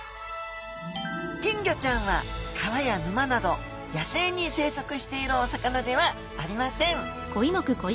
金魚ちゃんは川や沼など野生に生息しているお魚ではありません。